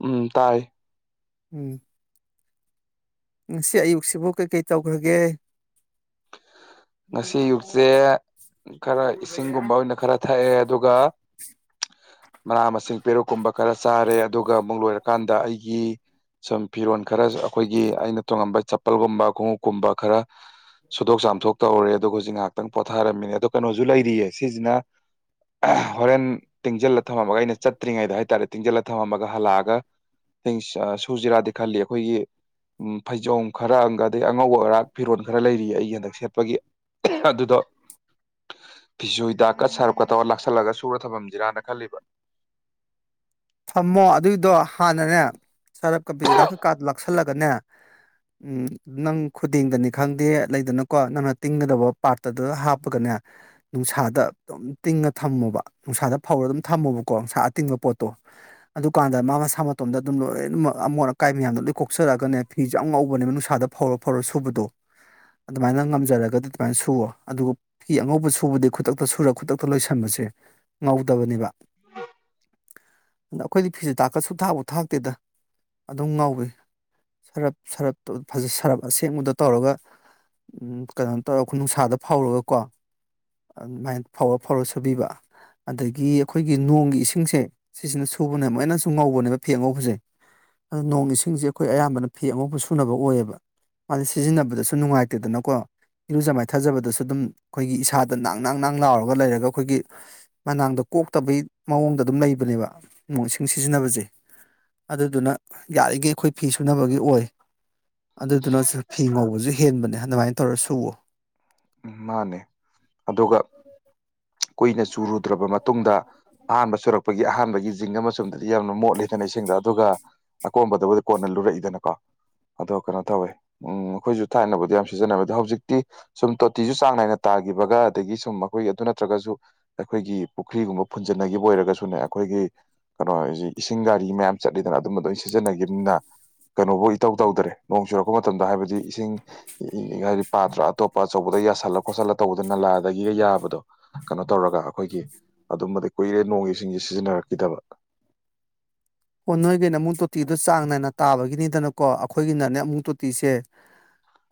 ꯎꯝ ꯇꯥꯏ ꯎꯝ ꯉꯁꯤ ꯑꯌꯨꯛꯁꯤꯕꯨ ꯀꯩ ꯀꯩ ꯇꯧꯈ꯭ꯔꯒꯦ ꯉꯁꯤ ꯑꯌꯨꯛꯁꯦ ꯈꯔ ꯏꯁꯤꯡꯒꯨꯝꯕ ꯑꯣꯏꯅ ꯈꯔ ꯊꯛꯑꯦ ꯑꯗꯨꯒ ꯃꯅꯥ ꯃꯁꯤꯡ ꯄꯦꯔꯨꯛꯀꯨꯝꯕ ꯈꯔ ꯆꯥꯔꯦ ꯑꯗꯨꯒ ꯑꯃꯨꯛ ꯂꯣꯏꯔꯀꯥꯟꯗ ꯑꯩꯒꯤ ꯁꯨꯝ ꯐꯤꯔꯣꯜ ꯈꯔ ꯑꯩꯈꯣꯏꯒꯤ ꯑꯩꯅ ꯇꯣꯡꯉꯝꯕ ꯆꯄꯜꯒꯨꯝꯕ ꯈꯣꯡꯎꯞꯀꯨꯝꯕ ꯈꯔ ꯁꯨꯊꯣꯛ ꯆꯥꯝꯊꯣꯛ ꯇꯧꯔꯦ ꯑꯗꯨꯒ ꯍꯧꯖꯤꯛ ꯉꯥꯏꯍꯥꯛꯇꯪ ꯄꯣꯊꯥꯔꯝꯃꯤꯅꯦ ꯑꯗꯣ ꯀꯩꯅꯣꯁꯨ ꯂꯩꯔꯤꯌꯦ ꯁꯤꯁꯤꯅ ꯍꯣꯔꯦꯟ ꯇꯤꯡꯁꯤꯜꯂ ꯊꯝꯃꯝꯃꯒ ꯑꯩꯅ ꯆꯠꯇ꯭ꯔꯤꯉꯩꯗ ꯍꯥꯏꯇꯥꯔꯦ ꯇꯤꯡꯁꯤꯜꯂ ꯊꯝꯃꯒ ꯍꯜꯂꯛꯑꯒ ꯁꯨꯖꯤꯔꯥꯗꯤ ꯈꯜꯂꯤ ꯑꯩꯈꯣꯏꯒꯤ ꯎꯝ ꯐꯩꯖꯣꯝ ꯈꯔꯒ ꯑꯗꯩ ꯑꯉꯧꯕ ꯑꯔꯥꯛ ꯐꯤꯔꯣꯟꯜ ꯈꯔ ꯂꯩꯔꯤꯌꯦ ꯑꯩꯒꯤ ꯍꯟꯗꯛ ꯁꯦꯠꯄ ꯑꯩꯈꯣꯏꯒꯤ ꯑꯗꯨꯗꯣ ꯐꯤꯖꯣꯏꯗ ꯀꯠ ꯁꯔꯞꯀ ꯇꯧꯒ ꯂꯥꯛꯁꯜꯂꯒ ꯁꯨꯔ ꯊꯝꯃꯝꯁꯤꯔꯥꯅ ꯈꯜꯂꯤꯕ ꯊꯝꯃꯣ ꯑꯗꯨꯏꯗꯣ ꯍꯥꯟꯅꯅꯦ ꯁꯔꯞ ꯀꯝꯄꯤꯖꯤꯤꯗꯥꯛ ꯀ ꯀꯥꯔꯗꯣ ꯂꯥꯛꯁꯜꯂꯒꯅꯦ ꯎꯝ ꯅꯪ ꯈꯨꯗꯤꯡꯗꯅꯤ ꯈꯪꯗꯦ ꯂꯩꯗꯅꯀꯣ ꯅꯪꯅ ꯇꯤꯡꯒꯗꯕ ꯄꯥꯔꯠꯇ ꯑꯗꯨ ꯍꯥꯞꯄꯒꯅꯦ ꯅꯨꯡꯁꯥꯗ ꯑꯗꯨꯝ ꯇꯤꯡꯉ ꯊꯝꯃꯣꯕ ꯅꯨꯡꯁꯥꯗ ꯐꯧꯔꯒ ꯑꯗꯨꯝ ꯊꯝꯃꯣꯕꯀꯣ ꯅꯨꯡꯁꯥ ꯑꯇꯤꯡꯕ ꯄꯣꯠꯇꯣ ꯑꯗꯨꯀꯥꯟꯗ ꯃꯥ ꯃꯁꯥ ꯃꯇꯣꯝꯗ ꯑꯗꯨꯝ ꯂꯣꯏꯅꯃꯛ ꯑꯃꯣꯠ ꯑꯀꯥꯏ ꯃꯌꯥꯝꯗ ꯂꯣꯏ ꯀꯣꯛꯆꯔꯛꯑꯒꯅꯦ ꯐꯤꯁꯨꯦ ꯉꯧꯕꯅꯦꯕ ꯅꯨꯡꯁꯥꯗ ꯐꯧꯔꯛꯄ ꯐꯧꯔ ꯁꯨꯕꯗꯣ ꯑꯗꯨꯃꯥꯏꯅ ꯉꯝꯖꯔꯒꯗꯤ ꯑꯗꯨꯃꯥꯏꯅ ꯁꯨꯑꯣꯣ ꯑꯗꯨꯒ ꯐꯤ ꯑꯉꯧꯕ ꯁꯨꯕꯗꯤ ꯈꯨꯗꯛꯇ ꯁꯨꯔ ꯈꯨꯗꯛꯇ ꯂꯣꯏꯁꯟꯕꯁꯦ ꯉꯧꯗꯕꯅꯦꯕ ꯑꯗ ꯑꯩꯈꯣꯏꯗꯤ ꯐꯤꯁꯦ ꯇꯥꯛꯀ ꯁꯨꯝ ꯊꯥꯛꯐ ꯊꯥꯛꯇꯦꯗ ꯑꯗꯨꯝ ꯉꯥꯎꯋ ꯁꯔꯞ ꯁꯞꯖ ꯁꯔꯞ ꯑꯁꯦꯡꯕꯗ ꯇꯧꯔꯒ ꯎꯝ ꯀꯩꯅꯣ ꯇꯧꯔꯒ ꯑꯩꯈꯣꯏ ꯅꯨꯡꯁꯥꯗ ꯐꯥꯎꯔꯒ ꯀꯣ ꯑꯗꯨꯃꯥꯏꯅ ꯐꯧꯔ ꯐꯧꯔ ꯁꯨꯕꯤꯕ ꯑꯗꯒꯤ ꯑꯩꯈꯣꯏꯒꯤ ꯅꯣꯡꯒꯤ ꯏꯁꯤꯡꯁꯦ ꯁꯤꯁꯤꯅ ꯁꯨꯕꯅꯦ ꯃꯣꯏꯅꯁꯨ ꯉꯧꯕꯅꯦꯕ ꯐꯦꯡꯉꯧꯕꯁꯦ ꯑ ꯅꯣꯡ ꯏꯁꯤꯡꯁꯦ ꯑꯩꯈꯣꯏ ꯑꯌꯥꯝꯕꯅ ꯐꯤ ꯑꯃꯐ ꯁꯨꯅꯕ ꯑꯣꯏꯌꯦꯕ ꯃꯥꯗꯤ ꯁꯤꯖꯤꯟꯅꯕꯗꯁꯨ ꯅꯨꯡꯉꯥꯏꯇꯦꯗꯅꯀꯣ ꯏꯔꯨꯖ ꯃꯥꯏꯊꯖꯕꯗꯁꯨ ꯑꯗꯨꯝ ꯑꯩꯈꯣꯏꯒꯤ ꯏꯁꯥꯗ ꯥꯡ ꯡ ꯅꯥꯡ ꯂꯥꯎꯔꯒ ꯂꯩꯔꯒ ꯑꯩꯈꯣꯏꯒꯤ ꯃꯅꯥꯛꯗ ꯀꯣꯛꯇꯕꯩ ꯃꯑꯣꯡꯗ ꯑꯗꯨꯝ ꯂꯩꯕꯅꯦꯕ ꯅꯣꯡ ꯏꯁꯤꯡ ꯁꯤꯖꯤꯟꯅꯕꯁꯦ ꯑꯗꯨꯗꯨꯅ ꯌꯥꯔꯤꯈꯩ ꯑꯩꯈꯣꯏ ꯐꯤ ꯁꯨꯅꯕꯒꯤ ꯑꯣꯏ ꯑꯗꯨꯗꯨꯅꯁꯨ ꯐꯤ ꯉꯧꯕꯁꯨ ꯍꯦꯟꯕꯅꯦ ꯑꯗꯨꯃꯥꯏꯅ ꯇꯧꯔ ꯁꯨꯋ ꯎ ꯃꯥꯅꯦ ꯑꯗꯨꯒ ꯀꯨꯏꯅ ꯆꯨꯔꯨꯗ꯭ꯔꯕ ꯃꯇꯨꯡꯗ ꯑꯍꯥꯟꯕ ꯁꯨꯔꯛꯄ ꯑꯩꯈꯣꯏꯒꯤ ꯑꯍꯥꯟꯕꯒꯤ ꯖꯤꯡ ꯑꯃ ꯆꯗꯗꯤ ꯌꯥꯝꯅ ꯃꯣꯠꯂꯤꯗꯅ ꯏꯁꯤꯡꯗ ꯑꯗꯨꯒ ꯑꯀꯣꯝꯕꯗꯕꯨꯗꯤ ꯀꯣꯟꯅ ꯂꯨꯔꯛꯏꯗꯅꯀꯣ ꯑꯗꯣ ꯀꯩꯅꯣ ꯇꯧꯋꯦ ꯎꯝ ꯑꯩꯈꯣꯏꯁꯨ ꯊꯥꯏꯅꯕꯗꯤ ꯌꯥꯝ ꯁꯤꯖꯤꯟꯅꯕ ꯑꯗꯣ ꯍꯧꯖꯤꯛꯇꯤ ꯁꯨꯝ ꯇꯣꯇꯤꯁꯨ ꯆꯥꯡ ꯅꯥꯏꯅ ꯇꯥꯈꯤꯕꯒ ꯑꯗꯒꯤ ꯁꯨꯝ ꯑꯩꯈꯣꯏꯒꯤ ꯑꯗꯨ ꯅꯠꯇ꯭ꯔꯒꯁꯨ ꯑꯩꯈꯣꯏꯒꯤ ꯄꯨꯈ꯭ꯔꯤꯒꯨꯝꯕ ꯐꯨꯟꯖꯟꯅꯈꯤꯕ ꯑꯣꯏꯔꯒꯁꯨꯅꯦ ꯑꯩꯈꯣꯏꯒꯤ ꯀꯩꯅꯣꯁꯤ ꯏꯁꯤꯡ ꯒꯥꯔꯤ ꯃꯌꯥꯝ ꯆꯠꯂꯤꯗꯅ ꯑꯗꯨꯝ ꯑꯗꯨꯣꯏꯅ ꯁꯤꯖꯤꯟꯅꯈꯤꯕꯅꯤꯅ ꯀꯩꯅꯣꯕꯨ ꯏꯇꯧ ꯇꯧꯗ꯭ꯔꯦ ꯅꯣꯡ ꯆꯨꯔꯛꯄ ꯃꯇꯝꯗ ꯍꯥꯏꯕꯗꯤ ꯏꯁꯤꯡ ꯍꯥꯏꯗꯤ ꯄꯥꯠꯇ꯭ꯔꯥ ꯑꯇꯣꯞꯄ ꯑꯄ ꯑꯆꯧꯕꯗ ꯌꯥꯁꯜꯂ ꯈꯣꯠꯁꯤꯜꯂ ꯇꯧꯕꯗꯨ ꯅꯂꯥꯗꯒꯤꯒ ꯌꯥꯕꯗꯣ ꯀꯩꯅꯣ ꯇꯧꯔꯒ ꯑꯩꯈꯣꯏꯒꯤ ꯑꯗꯨꯝꯕꯗꯤ ꯀꯨꯏꯔꯦ ꯅꯣꯡꯒꯤ ꯁꯤꯡꯁꯦ ꯁꯤꯖꯤꯟꯅꯔꯛꯈꯤꯗꯕ ꯑꯣ ꯅꯣꯏꯒꯤꯅꯦ ꯑꯃꯨꯛ ꯇꯣꯇꯤꯗꯨꯣ ꯆꯥꯡ ꯅꯥꯏꯅ ꯇꯥꯕꯒꯤꯅꯤꯗꯅꯀꯣ ꯑꯩꯈꯣꯏꯒꯤꯅꯅꯦ ꯑꯃꯨꯛ ꯇꯣꯇꯤꯁꯦ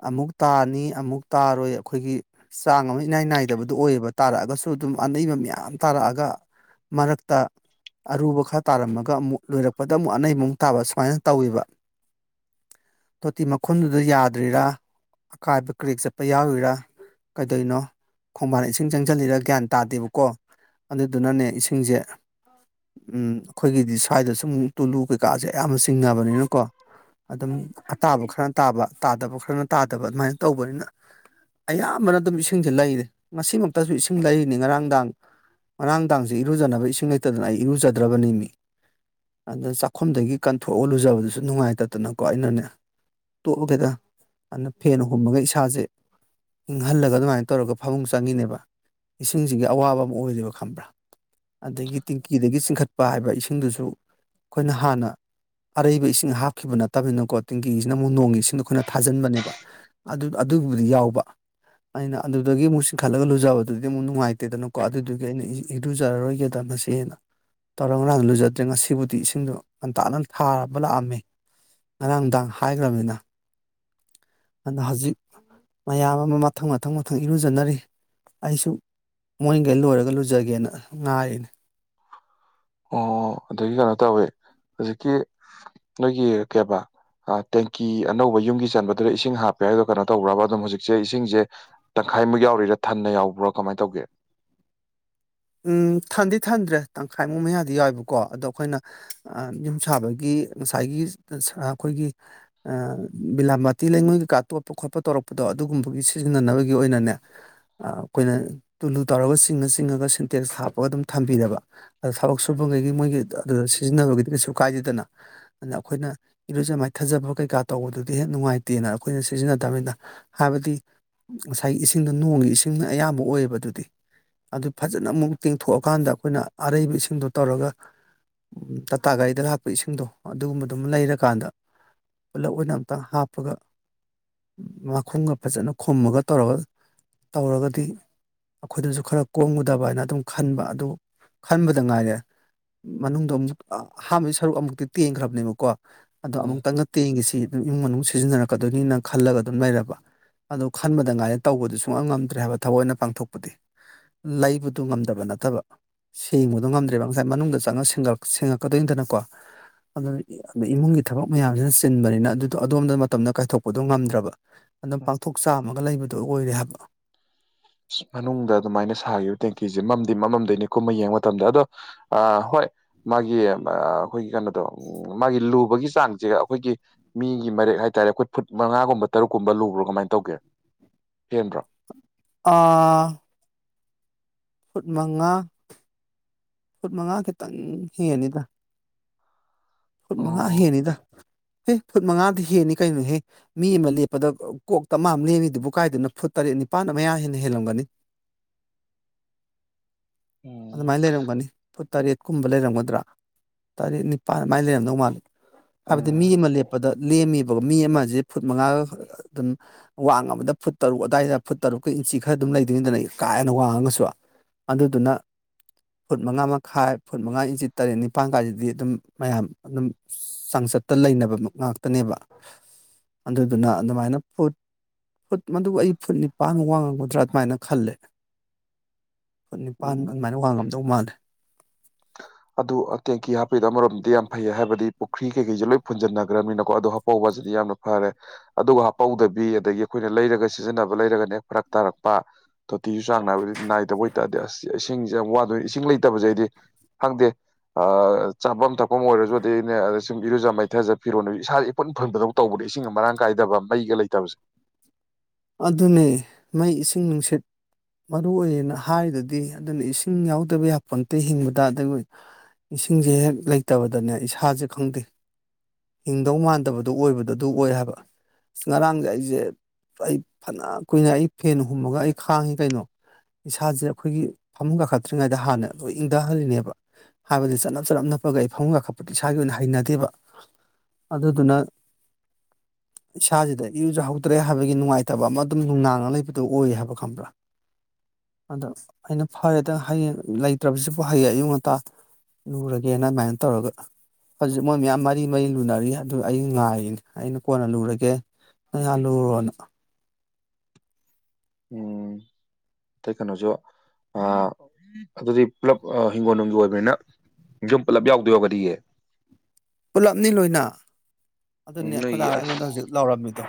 ꯑꯃꯨꯛ ꯇꯥꯅꯤ ꯑꯃꯨꯛ ꯇꯥꯔꯣꯏ ꯑꯩꯈꯣꯏꯒꯤ ꯆꯥꯡ ꯑꯃ ꯏꯅꯥꯏ ꯅꯥꯏꯗꯕꯗꯨ ꯑꯣꯏꯌꯦꯕ ꯇꯥꯔꯛꯑꯒꯁꯨ ꯑꯗꯨꯝ ꯑꯅꯩꯕ ꯃꯌꯥꯝ ꯇꯥꯔꯛꯑꯒ ꯃꯔꯛꯇ ꯑꯔꯨꯕ ꯈꯔ ꯇꯥꯔꯝꯃꯒ ꯑꯃꯨꯛ ꯂꯣꯏꯔꯛꯄꯗ ꯑꯃꯨꯛ ꯑꯅꯩꯃꯨꯛ ꯇꯥꯕ ꯁꯨꯃꯥꯏꯅ ꯇꯧꯋꯕ ꯇꯣꯇꯤ ꯃꯈꯨꯟꯗꯨꯗ ꯌꯥꯗ꯭ꯔꯤꯔꯥ ꯑꯀꯥꯏꯕ ꯀ꯭ꯔꯦꯛ ꯆꯠꯄ ꯌꯥꯎꯔꯤꯔꯥ ꯀꯩꯗꯧꯅꯣ ꯈꯣꯡꯕꯥꯟ ꯏꯁꯤꯡ ꯆꯪꯁꯤꯜꯂꯤꯔ ꯒ꯭ꯌꯥꯟ ꯇꯥꯗꯦꯕꯀꯣ ꯑꯗꯨꯗꯨꯅꯅꯦ ꯏꯁꯤꯡꯁꯦ ꯎ ꯑꯩꯈꯣꯏꯒꯤꯗꯤ ꯁ꯭ꯋꯥꯏꯗ ꯁꯨꯝ ꯇꯨꯂꯨ ꯀꯩꯀꯥꯁꯦ ꯑꯌꯥꯝꯕ ꯆꯤꯡꯉꯅꯕꯅꯤꯅꯀꯣ ꯑꯗꯨꯝ ꯑꯇꯥꯕ ꯈꯔꯅ ꯇꯥꯕ ꯇꯥꯗꯕ ꯈꯔꯅ ꯇꯥꯗꯕ ꯑꯗꯨꯃꯥꯏꯅ ꯇꯧꯕꯅꯤꯅ ꯑꯌꯥꯝꯕꯅ ꯑꯗꯨꯝ ꯏꯁꯤꯡꯁꯦ ꯂꯩꯔꯦ ꯉꯁꯤꯃꯛꯇꯁꯨ ꯏꯁꯤꯡ ꯂꯩꯔꯤꯅꯤ ꯉꯔꯥꯡꯗꯥꯥꯡ ꯉꯔꯥꯡꯗꯥꯥꯡꯖꯦ ꯏꯔꯨꯖꯅꯕ ꯏꯁꯤꯡ ꯂꯩꯇꯗꯅ ꯑꯩ ꯏꯔꯨꯖꯗ꯭ꯔꯕꯅꯤꯃꯤ ꯑꯗꯨ ꯆꯥꯛꯈꯨꯝꯗꯒꯤ ꯀꯟꯊꯣꯛꯑ ꯂꯨꯖꯕꯗꯨꯁꯨ ꯅꯨꯡꯉꯥꯏꯇꯗꯅꯀꯣ ꯑꯩꯅꯅꯦ ꯇꯣꯑꯒꯦꯗ ꯑꯗꯥ ꯐꯦꯟ ꯍꯨꯝꯃꯒ ꯏꯁꯥꯖꯦ ꯏꯪꯍꯜꯂꯒ ꯑꯗꯨꯃꯥꯏꯟ ꯇꯧꯔꯒ ꯐꯃꯨꯡ ꯆꯪꯉꯤꯅꯦꯕ ꯏꯁꯤꯡꯁꯤꯒꯤ ꯑꯋꯥꯕ ꯑꯃ ꯑꯣꯏꯔꯦꯕ ꯈꯪꯕ꯭ꯔꯥ ꯑꯗꯒꯤ ꯇꯦꯡꯀꯤꯗꯒꯤ ꯆꯤꯡꯈꯠꯄ ꯍꯥꯏꯕ ꯏꯁꯤꯡ ꯁꯤꯡꯗꯨꯁꯨ ꯑꯈꯣꯏꯅ ꯍꯥꯟꯅ ꯑꯔꯩꯕ ꯏꯁꯤꯡ ꯍꯥꯞꯈꯤꯕ ꯅꯠꯇꯕꯅꯤꯅꯀꯣ ꯇꯦꯡꯀꯤꯁꯤꯅ ꯑꯃꯨꯛ ꯅꯣꯡꯒꯤ ꯏꯁꯤꯡꯗꯣ ꯑꯈꯣꯏꯅ ꯊꯥꯖꯤꯟꯕꯅꯦꯕ ꯑꯗꯨ ꯑꯗꯨꯕꯨꯗꯤ ꯌꯥꯎꯕ ꯑꯩꯅ ꯑꯗꯨꯗꯒꯤ ꯑꯃꯨꯛ ꯆꯤꯡꯈꯠꯂꯒ ꯂꯨꯖꯕꯗꯨꯗꯤ ꯑꯃꯨꯛ ꯅꯨꯡꯉꯥꯏꯇꯦꯗꯅꯀꯣ ꯑꯗꯨꯗꯨꯒꯤ ꯑꯩꯅ ꯏꯔꯨꯖꯔꯔꯣꯏꯒꯦꯗ ꯃꯁꯦꯑꯅ ꯇꯧꯔ ꯉꯔꯥꯡ ꯂꯨꯖ ꯐꯖꯗ꯭ꯔꯦ ꯉꯁꯤꯕꯨꯗꯤ ꯏꯁꯤꯡꯗꯣ ꯉꯟꯇꯥꯅ ꯊꯥꯔꯕ ꯂꯥꯛꯑꯝꯃꯦ ꯉꯔꯥꯡꯗꯥꯡ ꯍꯥꯏꯒ꯭ꯔꯕꯅꯤꯅ ꯑꯗ ꯍꯧꯖꯤꯛ ꯃꯌꯥꯝ ꯑꯃ ꯃꯊꯪ ꯃꯊꯪ ꯃꯊꯪ ꯏꯔꯨꯖꯅꯔꯤ ꯑꯩꯁꯨ ꯃꯣꯏꯟꯒꯩ ꯂꯣꯏꯔꯒ ꯂꯨꯖꯒꯦꯅ ꯉꯥꯏꯔꯤꯅꯤ ꯑꯣ ꯑꯗꯒꯤ ꯀꯩꯅꯣ ꯇꯧꯋꯦ ꯍꯧꯖꯤꯛꯀꯤ ꯅꯣꯏꯒꯤ ꯀꯦꯕꯥ ꯑ ꯇꯦꯡꯀꯤ ꯑꯅꯧꯕ ꯌꯨꯝꯒꯤ ꯆꯟꯕꯗꯨꯗ ꯏꯁꯤꯡ ꯍꯥꯞꯄꯦ ꯍꯥꯏꯗꯨ ꯀꯩꯅꯣ ꯇꯧꯕ꯭ꯔꯕ ꯑꯗꯨꯝ ꯍꯧꯖꯤꯛꯁꯦ ꯏꯁꯤꯡꯖꯦ ꯇꯪꯈꯥꯏꯃꯨꯛ ꯌꯥꯎꯔꯤꯔꯥ ꯊꯟꯅ ꯌꯥꯎꯕ꯭ꯔꯥ ꯀꯃꯥꯏ ꯇꯧꯒꯦ ꯎꯝ ꯊꯟꯗꯤ ꯊꯟꯗ꯭ꯔꯦ ꯇꯪꯈꯥꯏꯃꯨꯛ ꯃꯌꯥꯗꯤ ꯌꯥꯎꯋꯦꯕꯀꯣ ꯑꯗꯣ ꯑꯩꯈꯣꯏꯅ ꯑ ꯌꯨꯝ ꯁꯥꯕꯒꯤ ꯉꯁꯥꯏꯒꯤ ꯑꯁ ꯑꯩꯈꯣꯏꯒꯤ ꯑ ꯕꯤꯂꯥꯝꯕꯇꯤ ꯂꯩꯉꯣꯏ ꯀꯩꯀꯥ ꯇꯣꯠꯄ ꯈꯣꯠꯄ ꯇꯧꯔꯛꯄꯗꯣ ꯑꯗꯨꯒꯨꯝꯕꯒꯤ ꯁꯤꯖꯤꯟꯅꯅꯕꯒꯤ ꯑꯣꯏꯅꯅꯦ ꯑ ꯑꯩꯈꯣꯏꯅ ꯇꯨꯂꯨ ꯇꯧꯔꯒ ꯆꯤꯡꯉ ꯆꯤꯡꯉꯒ ꯁꯤꯟꯇꯦꯛꯁꯇ ꯍꯥꯞꯄꯒ ꯑꯗꯨꯝ ꯊꯝꯕꯤꯔꯕ ꯑꯗ ꯊꯕꯛ ꯁꯨꯕꯒꯩꯒꯤ ꯃꯣꯏꯒꯤ ꯑꯗꯨꯗ ꯁꯤꯖꯤꯟꯅꯕꯒꯤꯗꯤ ꯀꯩꯁꯨ ꯀꯥꯏꯗꯦꯗꯅ ꯑꯗ ꯑꯩꯈꯣꯏꯅ ꯏꯔꯨꯖꯥ ꯃꯥꯏꯊꯖꯥꯕ ꯀꯩꯀꯥ ꯇꯧꯕꯗꯨꯗꯤ ꯍꯦꯛ ꯅꯨꯡꯉꯥꯏꯇꯦꯅ ꯑꯩꯈꯣꯏꯅ ꯁꯤꯖꯤꯟꯅꯗꯕꯅꯤꯅ ꯍꯥꯏꯕꯗꯤ ꯉꯁꯥꯏꯒꯤ ꯏꯁꯤꯡꯗꯣ ꯅꯣꯡꯒꯤ ꯏꯁꯤꯡꯅ ꯑꯌꯥꯝꯕ ꯑꯣꯏꯌꯦꯕ ꯑꯗꯨꯗꯤ ꯑꯗꯨ ꯐꯖ ꯅ ꯑꯃꯨꯛ ꯇꯤꯡꯊꯣꯛꯑꯀꯥꯟꯗ ꯑꯩꯈꯣꯏꯅ ꯑꯔꯩꯕ ꯏꯁꯤꯡꯗꯣ ꯇꯧꯔꯒ ꯎꯝ ꯇꯥꯇꯥ ꯒꯥꯔꯤꯗ ꯍꯥꯞꯄ ꯏꯁꯤꯡꯗꯣ ꯑꯗꯨꯒꯨꯝꯕꯗꯨꯃ ꯂꯩꯔꯀꯥꯟꯗ ꯄꯨꯜꯂꯞ ꯑꯣꯏꯅ ꯑꯝꯇ ꯍꯥꯞꯄꯒ ꯃꯈꯨꯝꯒ ꯐꯖꯅ ꯈꯨꯝꯃꯒ ꯇꯧꯔꯒ ꯇꯧꯔꯒꯗꯤ ꯑꯈꯣꯏꯗꯖꯨ ꯈꯔ ꯀꯣꯝꯒꯗꯕ ꯍꯥꯏꯅ ꯑꯗꯨꯝ ꯈꯟꯕ ꯑꯗꯨ ꯈꯟꯕꯗ ꯉꯥꯏꯔꯦ ꯃꯅꯨꯡꯗꯣ ꯑꯃꯨꯛ ꯑ ꯑꯍꯥꯟꯕꯒꯤ ꯁꯔꯨꯛ ꯑꯃꯨꯛꯇꯤ ꯇꯦꯡꯒ꯭ꯔꯕꯅꯦꯕꯀꯣ ꯑꯗꯣ ꯎꯝ ꯑꯃꯨꯛꯇꯪꯒ ꯇꯦꯡꯒꯤꯁꯤ ꯑꯗꯨꯝ ꯏꯃꯨꯡ ꯃꯅꯨꯡ ꯁꯤꯖꯤꯟꯅꯔꯛꯀꯗꯣꯏꯅꯤꯅ ꯈꯜꯂꯒ ꯑꯗꯨꯝ ꯂꯩꯔꯕ ꯑꯗꯨ ꯈꯟꯕꯗ ꯉꯥꯏꯔꯦ ꯇꯧꯕꯗꯨ ꯁꯨꯡꯉꯝ ꯉꯝꯗ꯭ꯔꯦ ꯍꯥꯏꯕ ꯊꯕꯛ ꯑꯣꯏꯅ ꯄꯥꯡꯊꯣꯛꯄꯗꯤ ꯂꯩꯕꯗꯨ ꯉꯝꯗꯕ ꯅꯠꯇꯕ ꯁꯦꯡꯕꯗꯣ ꯉꯝꯗ꯭ꯔꯦꯕ ꯉꯁꯥꯏ ꯃꯅꯨꯡꯗ ꯆꯪꯉꯥ ꯁꯦꯡꯉꯜ ꯁꯦꯡꯉꯛꯀꯗꯣꯏꯅꯤꯗꯅꯀꯣ ꯑꯗꯨꯗ ꯏ ꯏꯃꯨꯡꯒꯤ ꯊꯕꯛ ꯃꯌꯥꯝꯁꯤꯅ ꯆꯤꯟꯕꯅꯤꯅ ꯑꯗꯨꯗꯣ ꯑꯗꯣꯝꯗ ꯃꯇꯝꯗꯣ ꯀꯥꯏꯊꯣꯛꯄꯗꯣ ꯉꯝꯗ꯭ꯔꯕ ꯑꯗꯨꯝ ꯄꯥꯡꯊꯣꯛ ꯆꯥꯝꯃꯒ ꯂꯩꯕꯗꯣ ꯑꯣꯏꯔꯦ ꯍꯥꯏꯕ ꯃꯅꯨꯡꯗ ꯑꯗꯨꯃꯥꯏꯅ ꯁꯥꯒꯤꯕ ꯇꯦꯡꯀꯤꯖꯦ ꯃꯝꯗꯤ ꯃꯝꯃꯝꯗꯣꯏꯅꯤꯀꯣ ꯀꯨꯝꯃ ꯌꯦꯡꯕ ꯃꯇꯝꯗ ꯑꯗꯣ ꯑ ꯍꯣꯏ ꯃꯥꯒꯤ ꯃꯥ ꯑꯈꯣꯏꯒꯤ ꯀꯩꯅꯣꯗꯣ ꯎꯝ ꯃꯥꯒꯤ ꯂꯨꯕꯒꯤ ꯆꯥꯡꯖꯦ ꯑꯩꯈꯣꯏꯒꯤ ꯃꯤꯒꯤ ꯃꯔꯦꯛ ꯍꯥꯏꯇꯥꯔꯦ ꯑꯩꯈꯣꯏ ꯐꯨꯠ ꯃꯉꯥꯒꯨꯝꯕ ꯇꯔꯨꯛꯀꯨꯝꯕ ꯂꯨꯕ꯭ꯔꯥ ꯀꯃꯥꯏꯟ ꯇꯧꯒꯦ ꯍꯦꯟꯕ꯭ꯔꯣ ꯑꯥ ꯐꯨꯠ ꯃꯉꯥ ꯐꯨꯠ ꯃꯉꯥ ꯈꯤꯇꯪ ꯍꯦꯟꯅꯤꯗ ꯐꯨꯠ ꯃꯉꯥ ꯑꯣ ꯍꯦꯟꯅꯤꯗ ꯑꯦ ꯐꯨꯠ ꯃꯉꯥꯗꯤ ꯍꯦꯟꯅꯤ ꯀꯩꯅꯣꯍꯦ ꯃꯤ ꯑꯃ ꯂꯦꯞꯄꯗ ꯑ ꯀꯣꯛ ꯇꯃꯥ ꯑꯃ ꯂꯦꯝꯃꯤꯗꯨꯕꯨ ꯀꯥꯏꯗꯩꯅꯣ ꯐꯨꯠ ꯇꯔꯦꯠ ꯅꯤꯄꯥꯥꯟ ꯑꯝ ꯃꯌꯥ ꯍꯦꯟꯅ ꯍꯦꯜꯂꯝꯒꯅꯤ ꯎꯝ ꯑꯗꯨꯃꯥꯏꯟ ꯂꯩꯔꯝꯒꯅꯤ ꯐꯨꯠ ꯇꯔꯦꯠꯀꯨꯝꯕ ꯂꯩꯔꯝꯒꯗ꯭ꯔꯥ ꯇꯔꯦꯠ ꯅꯤꯄꯥꯜ ꯑꯗꯨꯃꯥꯏꯟ ꯂꯩꯔꯝꯗꯧ ꯃꯥꯜꯂꯤ ꯍꯥꯏꯕꯗꯤ ꯃꯤ ꯎꯝ ꯑꯃ ꯂꯦꯞꯄꯗ ꯂꯦꯝꯃꯤꯕ ꯃꯤ ꯑꯃꯖꯦ ꯐꯨꯠ ꯃꯉꯥꯒ ꯑꯗꯨꯝ ꯋꯥꯡꯉꯥꯕꯗ ꯐꯨꯠ ꯇꯔꯨꯛ ꯑꯋꯥꯏꯗ ꯐꯨꯠ ꯇꯔꯨꯛꯀꯥ ꯏꯟꯆꯤ ꯈꯔ ꯑꯗꯨꯝ ꯂꯩꯗꯣꯏꯅꯤꯗꯅ ꯀꯥ ꯍꯦꯟꯅ ꯋꯥꯡꯉꯒꯁꯨ ꯑꯗꯨꯗꯨꯅ ꯐꯨꯠ ꯃꯉꯥ ꯃꯈꯥꯏ ꯐꯨꯠ ꯃꯉꯥ ꯏꯟꯆꯤ ꯇꯔꯦꯠ ꯅꯤꯄꯥꯟ ꯀꯥꯏꯖꯤꯗꯤ ꯑꯗꯨꯝ ꯃꯌꯥꯝ ꯑꯗꯨꯝ ꯆꯥꯡꯆꯠꯇ ꯂꯩꯅꯕꯃꯛ ꯉꯥꯛꯇꯅꯦꯕ ꯑꯗꯨꯗꯨꯅ ꯑꯗꯨꯃꯥꯏꯅ ꯄꯣꯠ ꯐꯨꯠ ꯃꯗꯨꯕꯨ ꯑꯩ ꯐꯨꯠ ꯅꯤꯄꯥꯟꯒ ꯋꯥꯡꯉꯒꯗ꯭ꯔꯥ ꯑꯗꯨꯃꯥꯏꯅ ꯈꯜꯂꯦ ꯐꯨꯠ ꯅꯤꯄꯥꯥꯟ ꯎꯝ ꯑꯗꯨꯃꯥꯏꯅ ꯋꯥꯡꯉꯝꯗꯧ ꯃꯥꯜꯂꯦ ꯑꯗꯨ ꯇꯦꯡꯀꯤ ꯍꯥꯞꯄꯤꯗꯣ ꯑꯃꯔꯣꯝꯗꯤ ꯌꯥꯝ ꯐꯩꯌꯦ ꯍꯥꯏꯕꯗꯤ ꯄꯨꯈ꯭ꯔꯤ ꯀꯩꯀꯩꯁ ꯂꯣꯏ ꯐꯟꯖꯟꯅꯈ꯭ꯔꯕꯅꯤꯅꯀꯣ ꯑꯗꯨ ꯍꯥ ꯍꯧꯕꯁꯤꯗꯤ ꯌꯥꯝꯅ ꯐꯔꯦ ꯑꯗꯨꯒ ꯍꯥꯄꯧꯗꯕꯤ ꯑꯗꯒꯤ ꯑꯩꯈꯣꯏꯅ ꯂꯩꯔꯒ ꯁꯤꯖꯤꯟꯅꯕ ꯂꯩꯔꯒꯅꯦ ꯍꯦꯛ ꯐꯔꯛ ꯇꯥꯔꯛꯄ ꯇꯣꯇꯤꯁꯨ ꯆꯥꯡ ꯅꯥꯏꯕꯗꯤ ꯅꯥꯏꯗꯕ ꯑꯣꯏꯇꯥꯥꯔꯗꯤ ꯑꯁ ꯏꯁꯤꯡꯁꯦ ꯌꯥꯝ ꯋꯥꯗꯣꯏ ꯏꯁꯤꯡ ꯂꯩꯇꯕꯁꯦ ꯑꯩꯗꯤ ꯈꯪꯗꯦ ꯆꯥꯐꯝ ꯊꯛꯐꯝ ꯑꯣꯏꯔꯁꯨ ꯑꯗꯨꯗ ꯑꯅꯦ ꯑ ꯁꯨꯝ ꯏꯔꯨꯖ ꯃꯩꯊꯖ ꯐꯤꯔꯣꯅ ꯏꯁꯥ ꯄꯨꯟ ꯐꯟꯕꯗꯧ ꯇꯧꯕꯅꯦ ꯏꯁꯤꯡꯒ ꯃꯔꯥꯡ ꯀꯥꯏꯗꯕ ꯃꯩꯒ ꯂꯩꯇꯕꯁꯦ ꯑꯗꯨꯅꯦ ꯃꯩ ꯏꯁꯤꯡ ꯅꯨꯡꯁꯤꯠ ꯃꯔꯨꯏꯌꯦꯅ ꯍꯥꯏꯗꯗꯤ ꯑꯗꯨꯅ ꯏꯁꯤꯡ ꯌꯥꯎꯗꯕ ꯌꯥꯄ ꯅꯠꯇꯦ ꯍꯤꯡꯕꯗ ꯑꯗꯨ ꯏꯁꯤꯡꯁꯦ ꯍꯦꯛ ꯂꯩꯇꯕꯗꯅꯦ ꯏꯁꯥꯥꯁꯦ ꯈꯪꯗꯦ ꯍꯤꯡꯗꯧ ꯃꯥꯟꯗꯕꯗꯨ ꯑꯣꯏꯕꯗ ꯑꯗꯨ ꯑꯣꯏ ꯍꯥꯏꯕ ꯑ ꯉꯔꯥꯡꯁꯦ ꯑꯩꯁꯦ ꯑꯩ ꯐꯅ ꯀꯨꯏꯅ ꯑꯩ ꯐꯦꯟ ꯍꯨꯝꯃꯒ ꯑꯩ ꯈꯥꯡꯉꯤ ꯀꯩꯅꯣ ꯏꯁꯥꯁꯦ ꯑꯩꯈꯣꯏꯒꯤ ꯐꯃꯨꯡ ꯀꯥꯈꯠꯇ꯭ꯔꯤꯉꯩꯗ ꯍꯥꯟꯅ ꯂꯣꯏ ꯏꯪꯊꯍꯜꯂꯤꯅꯦꯕ ꯍꯥꯏꯕꯗꯤ ꯆꯠꯞ ꯆꯠꯅvꯞ ꯅꯞꯄꯒ ꯏ ꯐꯃꯒꯥꯈꯠꯄꯗ ꯏꯁꯥꯒꯤ ꯑꯣꯏꯅ ꯍꯩꯅꯗꯦꯕ ꯑꯗꯨꯗꯨꯅ ꯏꯁꯥꯁꯤꯗ ꯏꯨꯖꯍꯧꯗ꯭ꯔꯦ ꯍꯥꯏꯕꯒꯤ ꯅꯨꯡꯉꯥꯏꯇꯕ ꯑꯃ ꯑꯗꯨꯝ ꯅꯨꯡꯅꯥꯡꯅ ꯂꯩꯕꯗꯨꯣ ꯑꯣꯏ ꯍꯥꯏꯕ ꯈꯪꯕ꯭ꯔꯥ ꯑꯗꯣ ꯑꯩꯅ ꯐꯔꯦꯗꯪ ꯍꯌꯦꯡ ꯂꯩꯇ꯭ꯔꯕꯁꯤꯕꯨ ꯍꯌꯦꯡ ꯑꯌꯨꯛ ꯉꯟꯇꯥ ꯂꯨꯔꯒꯦꯅ ꯑꯗꯨꯃꯥꯏꯅ ꯇꯧꯔꯒ ꯍꯧꯖꯤꯛ ꯃꯣꯏ ꯃꯌꯥꯝ ꯃꯔꯤ ꯃꯔꯤ ꯂꯨꯅꯔꯤ ꯑꯗꯨ ꯑꯩ ꯉꯥꯏꯔꯤꯅꯤ ꯑꯩꯅ ꯀꯣꯟꯅ ꯂꯨꯔꯒꯦ ꯌꯥꯜꯂꯨꯅ [unintelligible] ꯇꯩ ꯀꯩꯅꯣꯁꯨꯣ ꯑ ꯑꯗꯨꯗꯤ ꯄꯨꯂꯞ ꯍꯤꯡꯒꯣꯜ ꯅꯨꯡꯒꯤ ꯑꯣꯏꯕꯅꯤꯅ ꯌꯨꯝ ꯄꯨꯜꯂꯞ ꯌꯥꯎꯗꯣꯏ ꯌꯥꯎꯒꯗꯤꯌꯦ ꯄꯨꯜꯂꯞꯅꯤ ꯂꯣꯏꯅ ꯑꯗꯨꯅꯤ ꯑꯩꯈꯣꯏꯗꯥ ꯅꯣꯏꯒꯤ ꯑꯁ ꯑꯩꯉꯣꯟꯗ ꯍꯧꯖꯤꯛ ꯂꯧꯔꯝꯃꯤꯗꯣ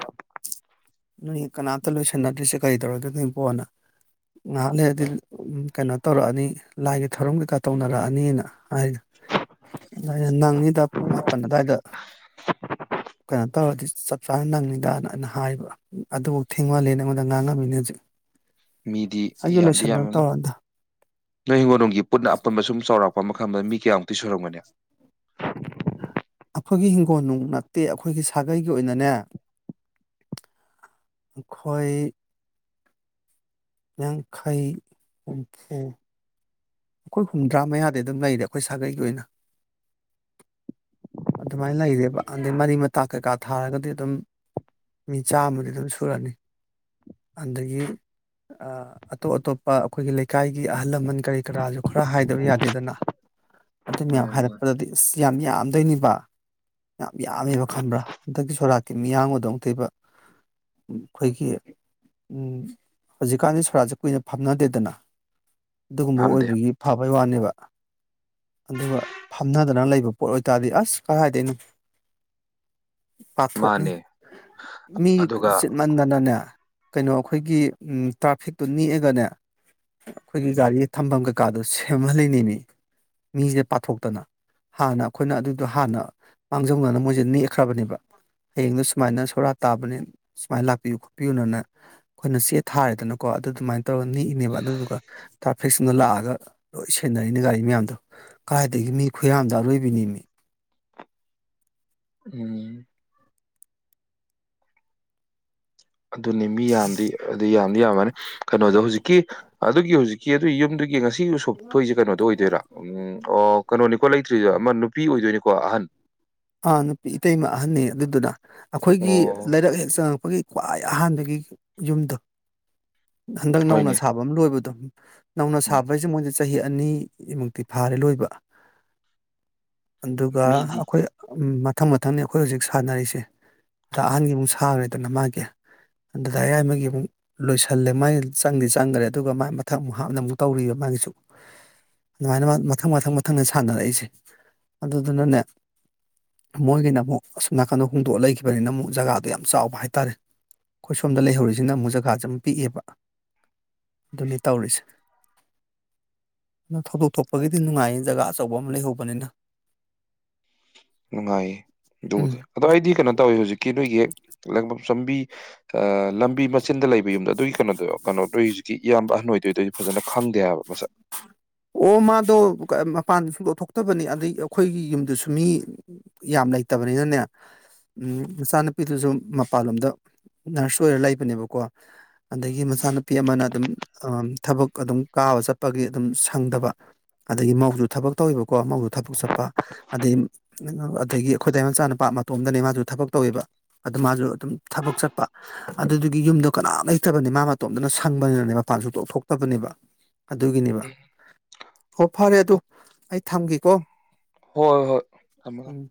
ꯅꯣꯏ ꯀꯅꯥꯇ ꯂꯣꯏꯁꯟꯅꯗ꯭ꯔꯤꯁꯦ ꯀꯔꯤ ꯇꯧꯔꯒꯦ ꯅꯣꯏ ꯄꯣꯅ ꯉꯥꯏꯍꯥꯛ ꯂꯩꯔꯗꯤ ꯀꯩꯅꯣ ꯇꯧꯔꯛꯑꯅꯤ ꯂꯥꯏꯒꯤ ꯊꯧꯔꯝ ꯀꯩꯀꯥ ꯇꯧꯅꯔꯛꯑꯅꯤꯅ ꯍꯥꯏ ꯑ ꯅꯪꯉꯤꯗ ꯄꯨꯡ ꯃꯥꯄꯜ ꯑꯗꯨꯋꯥꯏꯗ ꯀꯩꯅꯣ ꯇꯧꯔꯗꯤ ꯆꯞ ꯆꯥꯅ ꯅꯪꯉꯤꯗꯅ ꯑꯩꯅ ꯍꯥꯏꯕ ꯑꯗꯨꯐꯧ ꯊꯦꯡꯋꯥꯜꯂꯦ ꯑꯩꯉꯣꯟꯗ ꯉꯥꯡꯉꯝꯃꯤꯅꯁꯨ ꯃꯤꯗꯤ ꯌꯥꯝꯗꯤ ꯌꯥꯝꯃꯅꯤꯨ ꯇꯧꯔꯗ ꯅꯣꯏ ꯍꯤꯡꯒꯣꯜꯣꯝꯒꯤ ꯄꯨꯟꯅ ꯑꯄꯟꯕ ꯁꯨꯝ ꯆꯥꯎꯔꯥꯛꯄ ꯃꯐꯝꯗ ꯃꯤ ꯀꯌꯥꯃꯨꯛꯇꯤ ꯁꯣꯏꯨꯔꯝꯒꯅꯤ ꯑꯩꯈꯣꯏꯒꯤ ꯍꯤꯡꯒꯣꯜ ꯅꯨꯡ ꯅꯠꯇꯦ ꯑꯩꯈꯣꯏꯒꯤ ꯁꯥꯒꯩꯒꯤ ꯑꯣꯏꯅꯅꯦ ꯈꯣꯏ ꯌꯥꯡꯈꯩ ꯑꯣꯡꯀꯦ ꯑꯩꯈꯣꯏ ꯍꯨꯝꯗ꯭ꯔꯥ ꯃꯌꯥꯗꯤ ꯑꯗꯨꯝ ꯂꯩꯔꯦ ꯑꯩꯈꯣꯏ ꯁꯥꯒꯩꯒꯤ ꯑꯣꯏꯅ ꯑꯗꯨꯃꯥꯏꯅ ꯂꯩꯔꯦꯕ ꯑꯗꯩ ꯃꯔꯤ ꯃꯇꯥ ꯀꯩꯀꯥ ꯊꯥꯔꯒꯗꯤ ꯑꯗꯨꯝ ꯃꯤ ꯆꯥꯝꯃꯗꯤ ꯑꯗꯨꯝ ꯁꯨꯔꯅꯤ ꯑꯗꯒꯤ ꯑꯇꯣꯞ ꯑꯇꯣꯞꯄ ꯑꯩꯈꯣꯏꯒꯤ ꯂꯩꯀꯥꯏꯒꯤ ꯑꯍꯜ ꯂꯃꯟ ꯀꯔꯤ ꯀꯔꯥꯁꯨ ꯈꯔ ꯍꯥꯏꯗꯕ ꯌꯥꯗꯦꯗꯅ ꯑꯗꯨ ꯃꯌꯥꯝ ꯃꯥꯅꯦ ꯃꯥꯅꯦ ꯍꯥꯏꯔꯛꯄꯗꯗꯤ ꯑꯁ ꯌꯥꯝ ꯌꯥꯝꯗꯣꯏꯅꯤꯕ ꯌꯥꯝ ꯌꯥꯝꯃꯦꯕ ꯈꯝꯕ꯭ꯔꯥ ꯍꯟꯗꯛꯀꯤ ꯁꯣꯔꯥꯛꯠꯀꯤ ꯃꯤꯌꯥꯝꯕꯗꯧꯅꯛ ꯂꯩꯕ ꯑꯩꯈꯣꯏꯒꯤ ꯍꯧꯖꯤꯛꯀꯥꯟꯗꯤ ꯁꯣꯔꯥꯠꯁꯦ ꯀꯨꯏꯅ ꯐꯝꯅꯗꯦꯗꯅ ꯒꯨꯝꯕ ꯐꯝꯗꯦ ꯑꯣꯏꯕꯒꯤ ꯐꯕꯩ ꯋꯥꯅꯦꯕ ꯑꯗꯨꯒ ꯐꯝꯅꯗꯅ ꯂꯩꯕ ꯄꯣꯠ ꯑꯣꯏꯇꯥꯔꯗꯤ ꯑꯁ ꯀꯔꯥꯏꯗꯩꯅꯣ ꯄꯥꯊꯣꯛꯅꯤ ꯃꯥꯅꯦ ꯃꯤ ꯑꯗꯨꯒ ꯆꯠꯃꯟꯗꯅꯅꯦ ꯀꯩꯅꯣ ꯑꯩꯈꯣꯏꯒꯤ ꯎ ꯇ꯭ꯔꯥꯐꯤꯛꯇꯨ ꯅꯦꯛꯛꯑꯒꯅꯦ ꯑꯩꯈꯣꯏꯒꯤ ꯒꯥꯔꯤ ꯊꯝꯐꯝ ꯀꯩꯀꯥꯗꯨ ꯁꯦꯝꯃꯜꯂꯅꯤꯩꯅꯤ ꯃꯤꯁꯤꯗ ꯄꯥꯊꯣꯛꯇꯅ ꯍꯥꯟꯅ ꯑꯩꯈꯣꯏꯅ ꯑꯗꯨꯗꯣ ꯍꯥꯟꯅ ꯃꯥꯡꯖꯧꯅꯅ ꯃꯣꯏꯁꯦ ꯅꯦꯛꯈ꯭ꯔꯕꯅꯦꯕ ꯍꯌꯦꯡꯗꯨꯣ ꯁꯨꯃꯥꯏꯅ ꯁꯣꯔꯥ ꯇꯥꯕꯅꯦ ꯁꯨꯃꯥꯏꯅ ꯂꯥꯛꯄꯤꯌꯨ ꯈꯣꯠꯄꯤꯌꯨꯅꯅ ꯑꯩꯈꯣꯏꯅ ꯆꯦ ꯊꯥꯔꯦꯗꯅꯀꯣ ꯑꯗꯨ ꯑꯗꯨꯃꯥꯏ ꯇꯧꯔꯅꯤ ꯅꯤꯏꯅꯦꯕ ꯑꯗꯨꯗꯨꯒ ꯐꯤꯛꯁꯅ ꯂꯥꯛꯑꯒ ꯂꯣꯏ ꯁꯦꯟꯅꯔꯤꯅꯤ ꯒꯥꯔꯤ ꯃꯌꯥꯝꯗꯣ ꯀꯥꯏꯗꯒꯤ ꯃꯤ ꯈꯨꯌꯥꯝꯗ ꯑꯔꯣꯏꯕꯤꯅꯤ ꯃꯤ ꯎꯝ ꯑꯗꯨꯅꯤ ꯃꯤ ꯌꯥꯝꯗꯤ ꯑꯗꯨ ꯌꯥꯝꯗꯤ ꯌꯥꯝꯃꯅꯤ ꯀꯩꯅꯣꯗꯣ ꯍꯧꯖꯤꯛꯀꯤ ꯑꯗꯨꯒꯤ ꯍꯧꯖꯤꯛꯀꯤ ꯑꯗꯨ ꯌꯨꯝꯗꯨꯒꯤ ꯉꯁꯤ ꯎꯁꯣꯞ ꯐꯨꯛ ꯊꯣꯛꯏꯁꯦ ꯀꯩꯅꯣꯗꯣ ꯑꯣꯏꯗꯣꯏꯔꯥ ꯎꯝ ꯑꯣ ꯀꯩꯅꯣꯅꯤꯀꯣ ꯂꯩꯇ꯭ꯔꯤꯖꯦ ꯑꯃ ꯅꯨꯄꯤ ꯑꯣꯏꯗꯣꯏꯅꯤꯀꯣ ꯑꯍꯟ ꯑꯥ ꯅꯨꯄꯤ ꯏꯇꯩꯃ ꯑꯍꯟꯅꯦ ꯑꯗꯨꯗꯨꯅ ꯑꯈꯣꯏꯒꯤ ꯑꯣ ꯂꯩꯥꯔꯛ ꯍꯦꯛ ꯆꯪꯉꯛꯄꯒꯤ ꯈ꯭ꯋꯥꯏ ꯑꯍꯥꯟꯕꯒꯤ ꯌꯨꯝꯗꯣ ꯍꯟꯗꯛ ꯅꯧꯅ ꯍꯣꯏꯅꯦ ꯁꯥꯕ ꯑꯃ ꯂꯣꯏꯕꯗꯣ ꯅꯧꯅ ꯎꯝ ꯁꯥꯕ ꯍꯥꯏꯁꯦ ꯃꯣꯏꯗꯤ ꯆꯍꯤ ꯑꯅꯤꯃꯨꯛꯇꯤ ꯐꯥꯔꯦ ꯂꯣꯏꯕ ꯑꯗꯨꯒ ꯃꯤꯗꯤ ꯑꯩꯈꯣꯏ ꯃꯊꯪ ꯃꯊꯪꯅꯤ ꯑꯩꯈꯣꯏ ꯍꯧꯖꯤꯛ ꯁꯥꯟꯅꯔꯤꯁꯦ ꯗꯥ ꯑꯍꯟꯒꯤ ꯑꯃꯨꯛ ꯁꯥꯡꯈ꯭ꯔꯦꯗꯅ ꯃꯥꯒꯤ ꯗꯥꯗꯥ ꯌꯥꯏꯃꯒꯤ ꯑꯃꯨꯛ ꯂꯣꯏꯁꯜꯂꯦ ꯃꯥꯒꯤ ꯆꯪꯗꯤ ꯆꯪꯈ꯭ꯔꯦ ꯑꯗꯨꯒ ꯃꯥꯏ ꯃꯊꯛ ꯑꯃꯨꯛ ꯍꯥꯞꯅꯕ ꯇꯧꯔꯤꯕ ꯃꯥꯒꯤꯁꯨ ꯑꯗꯨꯃꯥꯏꯅ ꯃꯊꯪ ꯃꯊꯪ ꯃꯊꯪꯗ ꯁꯥꯟꯅꯔꯛꯏꯁꯦ ꯑꯗꯨꯗꯨꯅꯅꯦ ꯃꯣꯏꯒꯤꯅ ꯑꯃꯨꯛ ꯑꯁꯨꯝ ꯅꯥꯀꯟꯗ ꯍꯣꯡꯇꯣꯛꯑ ꯂꯩꯈꯤꯕꯅꯤꯅ ꯑꯃꯨꯛ ꯖꯒꯥꯗꯣ ꯌꯥꯝ ꯆꯥꯎꯕ ꯍꯥꯏꯇꯥꯔꯦ ꯑꯩꯈꯣꯏ ꯁꯣꯝꯗ ꯂꯩꯍꯧꯔꯤꯁꯤꯅ ꯑꯃꯛ ꯖꯒꯥꯁꯦ ꯑꯃ ꯄꯤꯛꯑꯦꯕ ꯑꯗꯨꯅꯤ ꯇꯧꯔꯤꯁꯦ ꯅ ꯊꯧꯗꯣꯛ ꯊꯣꯛꯄꯒꯤꯗꯤ ꯅꯨꯡꯉꯥꯏꯌꯦ ꯖꯒꯥ ꯑꯆꯧꯕ ꯑꯃ ꯂꯩꯍꯧꯕꯅꯤꯗ ꯅꯨꯡꯉꯥꯏꯌꯦ ꯎꯝ ꯑꯗꯨꯕꯨꯗꯤ ꯑꯗꯣ ꯑꯩꯗꯤ ꯀꯩꯅꯣ ꯇꯧꯋꯤ ꯍꯧꯖꯤꯛꯀꯤ ꯅꯣꯏꯒꯤ ꯂꯪꯕꯝ ꯆꯪꯕꯤ ꯑꯥ ꯂꯝꯕꯤ ꯃꯆꯤꯟꯗ ꯂꯩ ꯗꯨꯏ ꯌꯨꯝꯗ ꯑꯗꯨꯏ ꯀꯩꯅꯣꯗꯣ ꯀꯩꯅꯣꯗꯨꯏ ꯍꯧꯖꯤꯛꯀꯤ ꯏꯌꯥꯝꯕ ꯑꯍꯟ ꯑꯣꯏꯗꯣꯏꯗꯣꯏ ꯐꯖꯅ ꯈꯪꯗꯦ ꯍꯥꯏꯕ ꯃꯁꯛ ꯑꯣ ꯃꯥꯗꯣ ꯃꯄꯥꯟ ꯁꯨꯡꯊꯣꯛ ꯊꯣꯛꯇꯕꯅꯤ ꯑꯗꯩ ꯑꯩꯈꯣꯏꯒꯤ ꯌꯨꯝꯗꯨꯁꯨ ꯃꯤ ꯌꯥꯝ ꯂꯩꯇꯕꯅꯤꯅꯅꯦ ꯎꯝ ꯃꯆꯥꯅꯨꯄꯤꯗꯨꯁꯨ ꯃꯄꯥꯟꯂꯣꯝꯗ ꯅꯔꯁ ꯑꯣꯏꯔ ꯂꯩꯕꯅꯦꯕꯀꯣ ꯑꯗꯒꯤ ꯃꯆꯥꯅꯨꯄꯤ ꯑꯃꯅ ꯑꯗꯨꯝ ꯑ ꯊꯕꯛ ꯑꯗꯨꯝ ꯀꯥꯕ ꯆꯠꯄꯒꯤ ꯑꯗꯨꯝ ꯐꯪꯗꯕ ꯑꯗꯒꯤ ꯃꯧꯁꯨ ꯊꯕꯛ ꯇꯧꯋꯤꯕꯀꯣ ꯃꯧꯁꯨ ꯊꯕꯛ ꯆꯠꯄ ꯑꯗꯩ ꯑꯗꯒꯤ ꯑꯩꯈꯣꯏꯗꯥꯏꯃꯆꯥ ꯅꯨꯄꯥ ꯃꯇꯣꯝꯗꯅꯦ ꯃꯥꯁꯨ ꯊꯕꯛ ꯇꯧꯋꯦꯕ ꯑꯗꯨ ꯃꯥꯁꯨ ꯑꯗꯨꯝ ꯊꯕꯛ ꯆꯠꯄ ꯑꯗꯨꯗꯨꯒꯤ ꯌꯨꯝꯗꯣ ꯀꯅꯥꯝ ꯂꯩꯇꯕꯅꯦ ꯃꯥ ꯃꯇꯣꯝꯇꯅ ꯁꯪꯕꯅꯤꯅꯅꯦ ꯃꯄꯥꯟ ꯁꯨꯊꯣꯛ ꯊꯣꯛꯇꯕꯅꯦꯕ ꯑꯗꯨꯒꯤꯅꯦꯕ ꯍꯣ ꯐꯔꯦ ꯑꯗꯨ ꯑꯩ ꯊꯝꯒꯦꯀꯣ ꯍꯣꯏ ꯍꯣꯏ ꯊꯝꯃꯣ ꯊꯝ ꯎꯝ